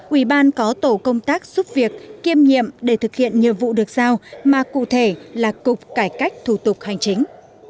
ủy ban có tổ công tác giúp việc kiêm nhiệm để thực hiện nhiệm vụ được giao mà cụ thể là cục cải cách thủ tục hành chính